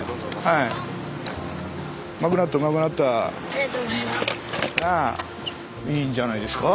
いいんじゃないですか。